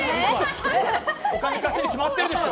お金貸してに決まってるでしょ！